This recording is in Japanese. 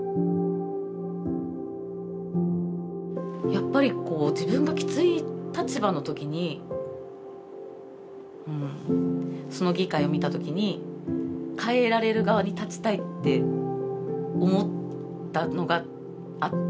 やっぱり自分がきつい立場のときにその議会を見たときに変えられる側に立ちたいって思ったのがあって。